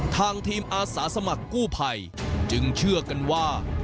ทางทีมอาสาสมัครกู้ภัยจึงเชื่อกันว่า